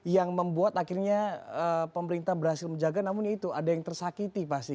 yang membuat akhirnya pemerintah berhasil menjaga namun itu ada yang tersakiti pasti